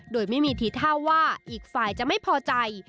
โดยไม่มีทีท่าว่าอีกฝ่ายจะไม่พอใจ